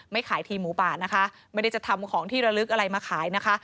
ขายทีมหมูป่านะคะไม่ได้จะทำของที่ระลึกอะไรมาขายนะคะ